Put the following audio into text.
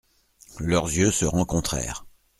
Leurs yeux se rencontrèrent.